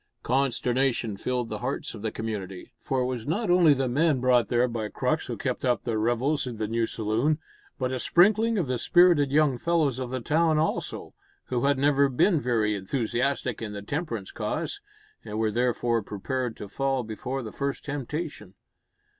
Consternation filled the hearts of the community, for it was not only the men brought there by Crux who kept up their revels in the new saloon, but a sprinkling of the spirited young fellows of the town also, who had never been very enthusiastic in the temperance cause, and were therefore prepared to fall before the first temptation.